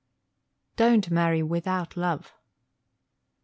_Don't marry without love.